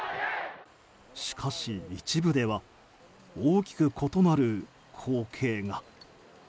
しかし、一部では大きく異なる光景が。